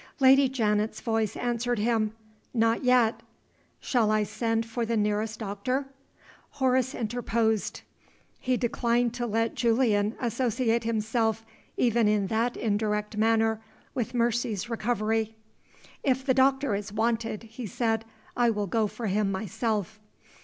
Lady Janet's voice answered him. "Not yet." "Shall I send for the nearest doctor?" Horace interposed. He declined to let Julian associate himself, even in that indirect manner, with Mercy's recovery. "If the doctor is wanted," he said, "I will go for him myself."